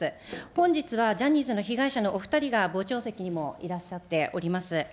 本日はジャニーズの被害者のお２人が傍聴席にもいらっしゃっております。